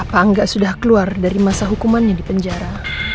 apa angga sudah keluar dari masa hukumannya di penjara